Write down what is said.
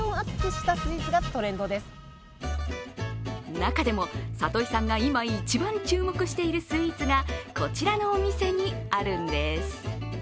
中でも、里井さんが今、一番注目しているスイーツがこちらのお店にあるんです。